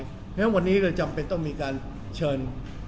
เพราะฉะนั้นวันนี้ก็จำเป็นต้องมีการเชิญ